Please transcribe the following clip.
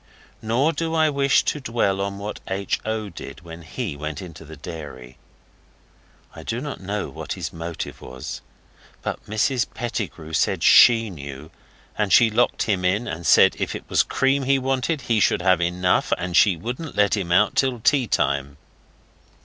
Nor do I wish to dwell on what H. O. did when he went into the dairy. I do not know what his motive was. But Mrs Pettigrew said SHE knew; and she locked him in, and said if it was cream he wanted he should have enough, and she wouldn't let him out till tea time.